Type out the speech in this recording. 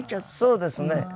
そうですねはい。